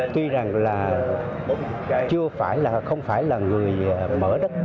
tuy rằng là chưa phải là không phải là người mở đất